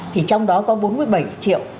thì trong đó có bốn mươi bảy triệu